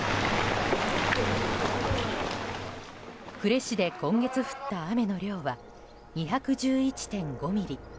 呉市で今月降った雨の量は２１１．５ミリ。